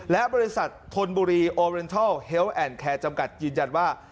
และบริษัทธนบุรีโอเรนทรัลเฮลแอนด์แคร์จำกัดยืนยันว่า